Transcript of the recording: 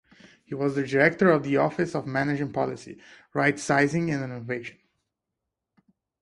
He was Director of the Office of Management Policy, Rightsizing and Innovation.